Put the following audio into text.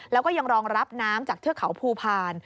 แล้วก็ยังรองรับน้ำจากเทือกเขาภูพาล